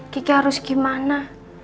gi harus gimana